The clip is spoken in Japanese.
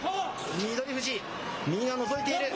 翠富士、右がのぞいている。